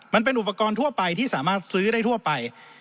มันเป็นอุปกรณ์ทั่วไปที่สามารถซื้อได้ทั่วไป